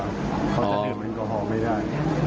เขาจะดื่มแอลกอฮอล์ไม่ได้